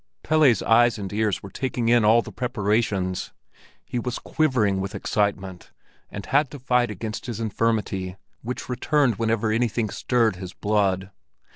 Pelle's eyes and ears were taking in all the preparations. He was quivering with excitement, and had to fight against his infirmity, which returned whenever anything stirred his blood.